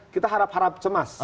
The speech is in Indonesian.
kita harap harap cemas